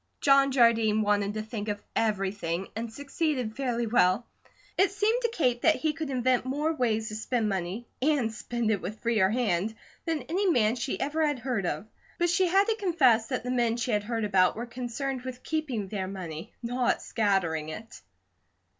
John Jardine wanted to think of everything, and succeeded fairly well. It seemed to Kate that he could invent more ways to spend money, and spend it with freer hand, than any man she ever had heard of, but she had to confess that the men she had heard about were concerned with keeping their money, not scattering it.